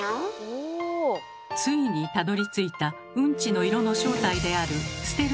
ついにたどりついたうんちの色の正体であるステルコビリン。